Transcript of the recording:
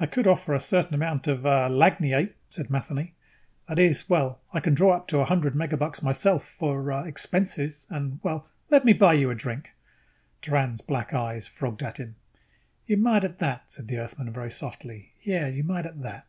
"I could offer a certain amount of, uh, lagniappe," said Matheny. "That is, well, I can draw up to a hundred megabucks myself for, uh, expenses and, well ... let me buy you a drink!" Doran's black eyes frogged at him. "You might at that," said the Earthman very softly. "Yes, you might at that."